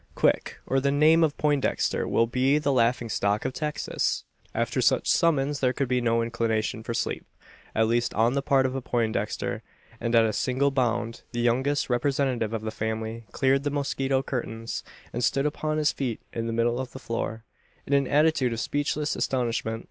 Quick, or the name of Poindexter will be the laughing stock of Texas!" After such summons there could be no inclination for sleep at least on the part of a Poindexter; and at a single bound, the youngest representative of the family cleared the mosquito curtains, and stood upon his feet in the middle of the floor in an attitude of speechless astonishment.